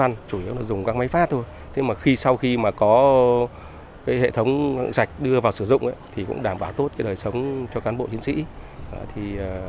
nếu hệ thống sạch đưa vào sử dụng thì cũng đảm bảo tốt đời sống cho cán bộ chiến sĩ